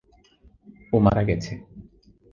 ও মারা গেছে।